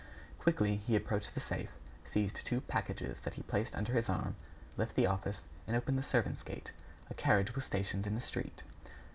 Quickly, he approached the safe, seized two packages that he placed under his arm, left the office, and opened the servants' gate. A carriage was stationed in the street.